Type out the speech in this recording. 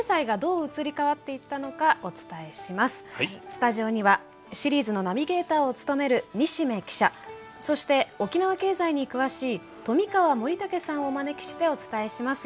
スタジオにはシリーズのナビゲーターを務める西銘記者そして沖縄経済に詳しい富川盛武さんをお招きしてお伝えします。